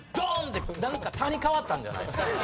で「タ」に変わったんじゃない？